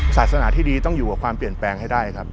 ศาสนาที่ดีต้องอยู่กับความเปลี่ยนแปลงให้ได้ครับ